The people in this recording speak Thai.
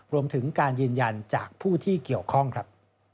รวมถึงการยืนยันจากผู้ที่เกี่ยวข้องครับ